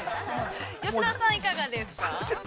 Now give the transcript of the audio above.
◆吉田さん、いかがですか？